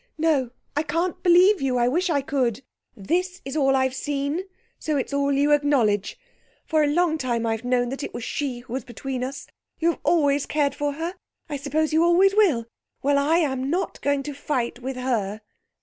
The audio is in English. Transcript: No, I can't believe you I wish I could. This is all I've seen, so it's all you acknowledge. For a long time I've known that it was she who was between us. You have always cared for her. I suppose you always will. Well, I am not going to fight with her.'